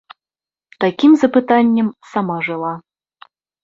Такім запытаннем сама жыла.